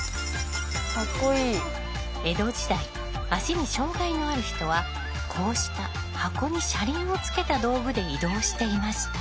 江戸時代足に障害のある人はこうした箱に車輪をつけた道具で移動していました。